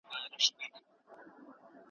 زه اوس کتاب لولم.